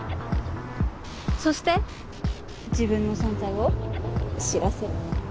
そして自分の存在を知らせる。